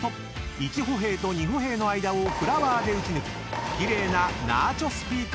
１ホヘイと２ホヘイの間をフラワーで打ち抜き奇麗なナーチョスピーク］